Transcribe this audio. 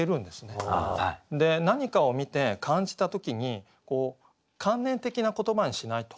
で何かを見て感じた時に関連的な言葉にしないと。